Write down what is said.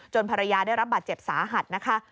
ภรรยาได้รับบาดเจ็บสาหัสนะคะ